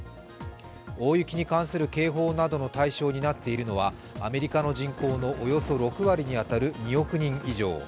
大雪に関する警報などの対象になっているのはアメリカの人口のおよそ６割に当たる２億人以上。